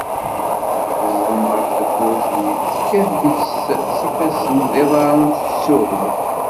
Teẓdem ɣef tewwurt-nni, tekkat deg-s s ifassen d iḍarren, tettsuɣu.